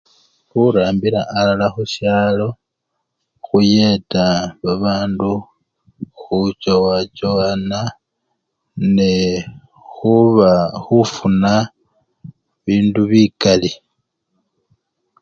Khurambila alala khusyalo khuyeta babandu khuchowachowana ne khuba! khufuna bindu bikali.